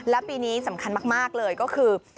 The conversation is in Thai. และปีนี้สำคัญมากเลยก็คือ